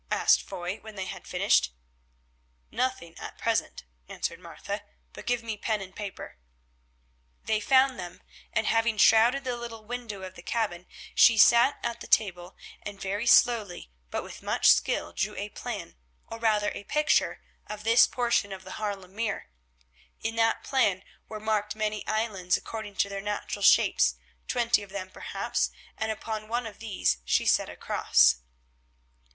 asked Foy when they had finished. "Nothing at present," answered Martha, "but give me pen and paper." They found them, and having shrouded the little window of the cabin, she sat at the table and very slowly but with much skill drew a plan, or rather a picture, of this portion of the Haarlem Mere. In that plan were marked many islands according to their natural shapes, twenty of them perhaps, and upon one of these she set a cross.